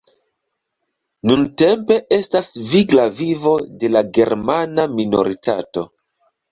Nuntempe estas vigla vivo de la germana minoritato.